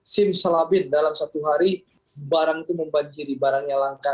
simsalabin dalam satu hari barang itu membanjiri barangnya langka